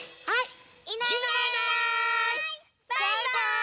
はい。